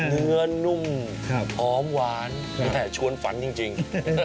เนื้อนุ่มอ้อมวาดแต่โชนฝันจริง